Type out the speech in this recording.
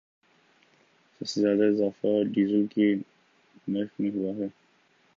سب سے زیادہ اضافہ ڈیزل کے نرخ میں ہوا ہے